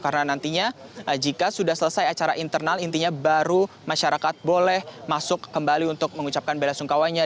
karena nantinya jika sudah selesai acara internal intinya baru masyarakat boleh masuk kembali untuk mengucapkan bela sungkawanya